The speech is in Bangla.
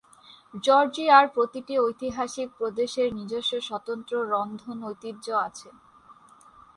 জর্জিয়ার প্রতিটি ঐতিহাসিক প্রদেশের নিজস্ব স্বতন্ত্র রন্ধন ঐতিহ্য আছে।